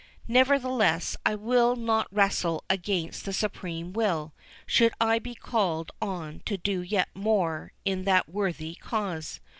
Nevertheless, I will not wrestle against the Supreme will, should I be called on to do yet more in that worthy cause.